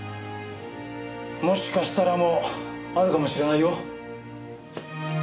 もしかしたらもあるかもしれないよ。